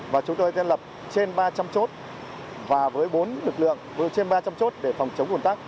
và chúng tôi tiến lập trên ba trăm linh chốt và với bốn lực lượng trên ba trăm linh chốt để phòng chống un tắc